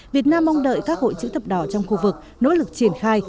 việt nam mong đợi các hội chữ thập đỏ trong khu vực nỗ lực triển khai